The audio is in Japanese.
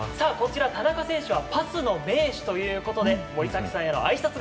田中選手はパスの名手ということで森崎さんへのあいさつ